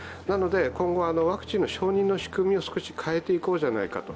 今後、ワクチンの承認の仕組みを少し変えていこうじゃないかと。